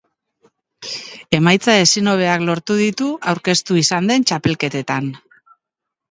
Emaitza ezin hobeak lortu ditu aurkeztu izan den txapelketetan.